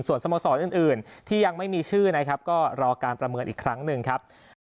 ส่วนสโมสรอื่นที่ยังไม่มีชื่อนะครับก็รอการประเมินอีกครั้งหนึ่งครับ